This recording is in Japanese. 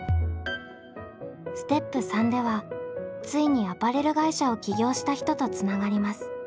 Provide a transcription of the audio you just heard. ステップ３ではついにアパレル会社を起業した人とつながります。